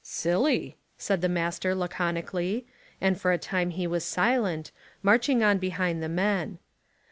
"Silly," said the master laconically, and for a time he was silent, marching on behind the men.